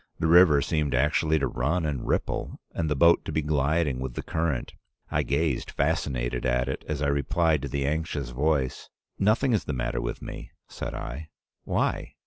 The river seemed actually to run and ripple, and the boat to be gliding with the current. I gazed fascinated at it, as I replied to the anxious voice: "'Nothing is the matter with me,' said I. 'Why?